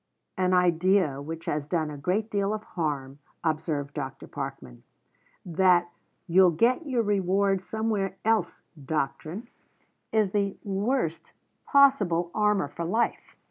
"An idea which has done a great deal of harm," observed Dr. Parkman. "That 'you'll get your reward somewhere else' doctrine is the worst possible armour for life.